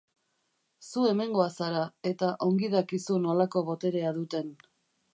Zu hemengoa zara, eta ongi dakizu nolako boterea duten.